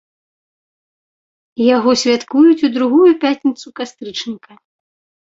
Яго святкуюць у другую пятніцу кастрычніка.